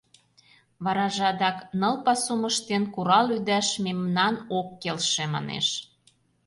Вараже адак «ныл пасум ыштен, курал-ӱдаш мемнан ок келше» манеш.